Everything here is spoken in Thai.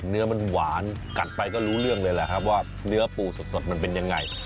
เนื้อมันหวานกัดไปก็รู้เรื่องเลยแหละครับว่าเนื้อปูสดมันเป็นยังไง